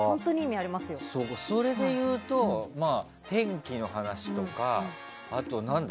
それでいうと天気の話とかあと、何だ？